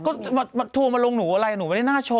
ก็โทรมาลงหนูอะไรหนูไม่ได้น่าชั